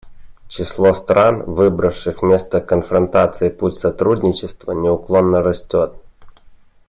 Число стран, выбравших вместо конфронтации путь сотрудничества, неуклонно растет.